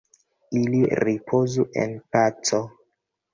Ili ripozu en paco.